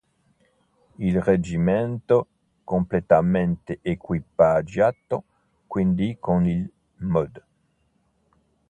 Il reggimento, completamente equipaggiato quindi con il "Mod.